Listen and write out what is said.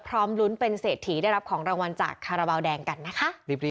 พร้อมลุ้นเป็นเศรษฐีได้รับของรางวัลจากคาราบาลแดงกันนะคะ